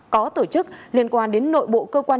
có tổ chức liên quan đến nội bộ cơ quan